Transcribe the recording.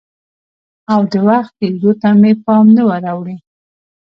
او د وخت تېرېدو ته مې پام نه وراوړي؟